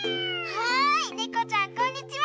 はいねこちゃんこんにちは。